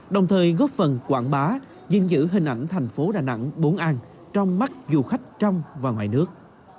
đồng thời góp phần quảng bá gìn giữ hình ảnh thành phố đà nẵng bốn an trong mắt du khách trong và ngoài nước